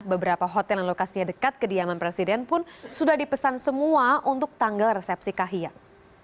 beberapa hotel yang lokasinya dekat kediaman presiden pun sudah dipesan semua untuk tanggal resepsi kahiyang